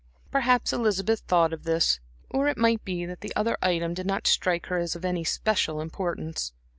Perhaps Elizabeth thought of this; or it might be that the other item did not strike her as of any special importance.